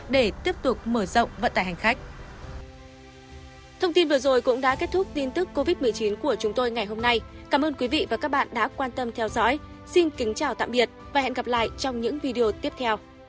để tiếp tục mở rộng vận tải hành khách